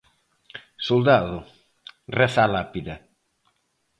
"Soldado", reza a lápida.